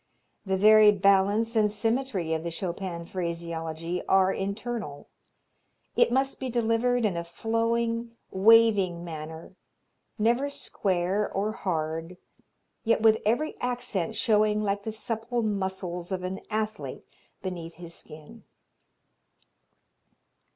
The very balance and symmetry of the Chopin phraseology are internal; it must be delivered in a flowing, waving manner, never square or hard, yet with every accent showing like the supple muscles of an athlete beneath his skin.